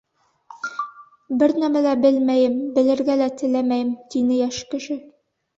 — Бер нимә лә белмәйем, белергә лә теләмәйем, — тине йәш кеше.